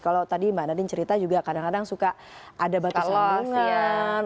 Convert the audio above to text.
kalau tadi mbak nadine cerita juga kadang kadang suka ada batas lombongan